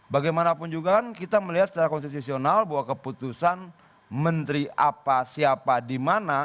bagaimanapun juga kan kita melihat secara konstitusional bahwa keputusan menteri apa siapa di mana